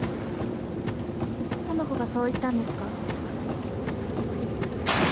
たまこがそう言ったんですか？